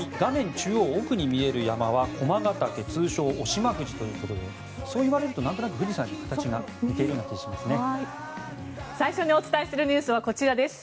中央奥に見える山は通称・渡島富士ということでそう言われるとなんとなく富士山に形が似ているような気がしますね。